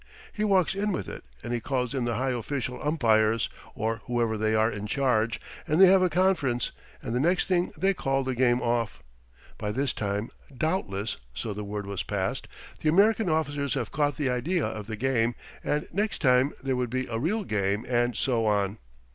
He walks in with it and he calls in the high official umpires, or whoever they are in charge, and they have a conference, and the next thing they call the game off. By this time, doubtless (so the word was passed), the American officers have caught the idea of the game, and next time there would be a real game and so on.